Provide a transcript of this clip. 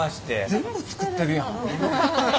全部作ってるやん。